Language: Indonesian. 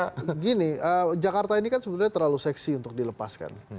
sebenarnya jakarta ini kan terlalu seksi untuk dilepaskan